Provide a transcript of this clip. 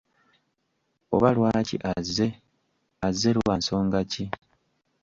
Oba lwaki azze, azze lwa nsonga ki?